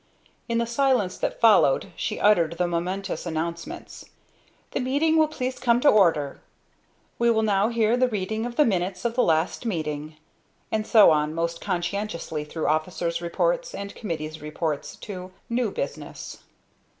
In the silence that followed she uttered the momentous announcements: "The meeting will please come to order," "We will now hear the reading of the minutes of the last meeting," and so on most conscientiously through officer's reports and committees reports to "new business."